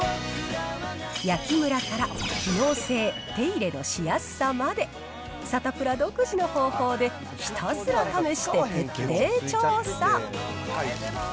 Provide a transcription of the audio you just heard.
焼きむらから機能性、手入れのしやすさまで、サタプラ独自の方法でひたすら試して徹底調査。